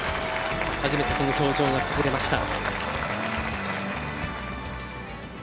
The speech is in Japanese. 初めてその表情が崩れました。